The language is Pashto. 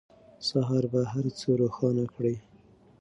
سهار به هر څه روښانه کړي.